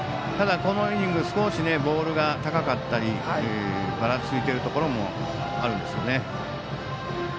ただ、このイニング少しボールが高かったりばらついているところもあるんですよね。